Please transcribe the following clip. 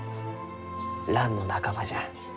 ランの仲間じゃ。